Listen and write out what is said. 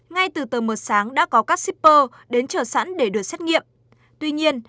ngay từ tờ mượt sáng đã có các shipper đến chở sẵn để được xét nghiệm tuy nhiên